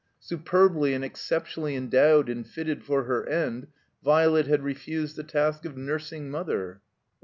Superbly and exceptionally en dowed and fitted for her end, Violet had refusal the task of nursing mother.